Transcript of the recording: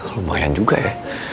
lumayan juga ya